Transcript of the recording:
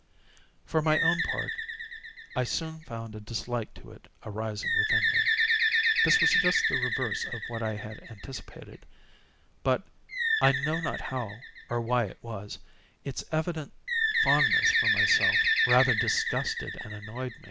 For my own part, I soon found a dislike to it arising within me. This was just the reverse of what I had anticipated; but—I know not how or why it was—its evident fondness for myself rather disgusted and annoyed.